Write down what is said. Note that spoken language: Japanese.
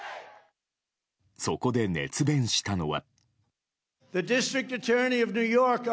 そこで熱弁したのは。